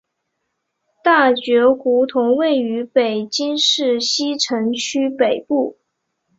大觉胡同位于北京市西城区北部。